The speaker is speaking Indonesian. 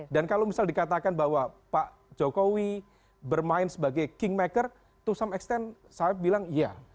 dan kalau misal dikatakan bahwa pak jokowi bermain sebagai kingmaker to some extent saya bilang iya